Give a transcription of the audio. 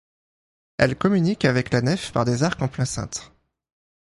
Elles communiquent avec la nef par des arcs en plein cintre.